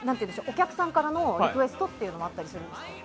お客さんからのリクエストもあったりするんですか？